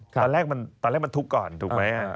ตอนแรกตอนแรกมันทุกข์ก่อนถูกไหม